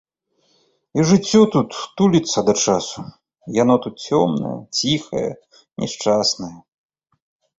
І жыццё тут туліцца да часу, яно тут цёмнае, ціхае, няшчаснае.